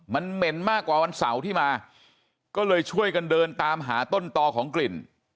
มันเหม็นมากกว่าวันเสาร์ที่มาก็เลยช่วยกันเดินตามหาต้นตอของกลิ่น